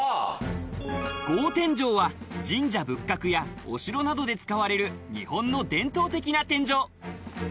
格天井は神社仏閣やお城などで使われる日本の伝統的な天井。